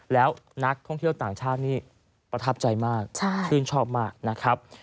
แล้วนักท่องเที่ยวต่างชาตินี่ประทับใจมากชื่นชอบมากนะครับ